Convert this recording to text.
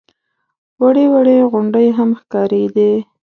وړې وړې غونډۍ هم ښکارېدې.